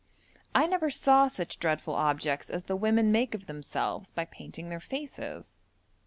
I never saw such dreadful objects as the women make of themselves by painting their faces.